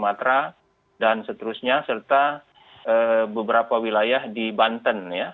beberapa daerah di sumatera dan seterusnya serta beberapa wilayah di banten